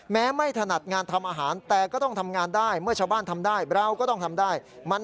แม้ไม่ถนัดงานทำอาหารแต่ก็ต้องทำงานได้